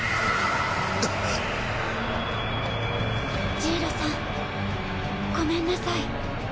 ジイロさんごめんなさい。